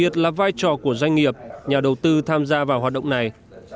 từ tham gia vào hoạt động này